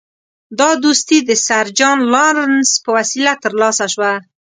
دا دوستي د سر جان لارنس په وسیله ترلاسه شوه.